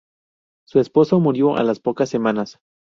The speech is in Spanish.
Su esposo murió a las pocas semanas.